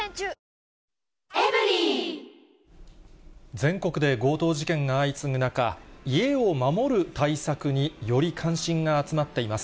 全国で強盗事件が相次ぐ中、家を守る対策により関心が集まっています。